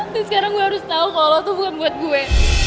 dan sekarang gue harus tau kalo lo tuh bukan buat gue